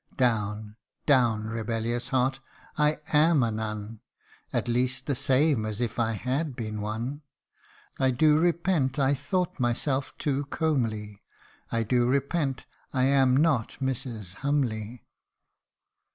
Down, down, rebellious heart ! I am a nun, At least, the same as if I had been one. I do repent I thought myself too comely ; I do repent I am not Mrs. Humley